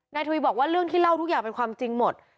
ทวีบอกว่าเรื่องที่เล่าทุกอย่างเป็นความจริงหมด